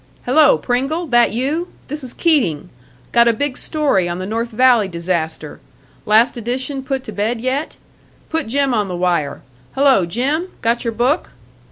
"Hello, Pringle, that you? This is Keating. Got a big story on the North Valley disaster. Last edition put to bed yet? Put Jim on the wire. Hello, Jim! Got your book?"